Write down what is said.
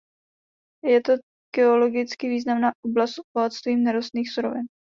Je to geologicky významná oblast s bohatstvím nerostných surovin.